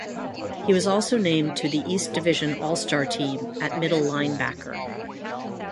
He was also named to the East Division All-Star team at middle linebacker.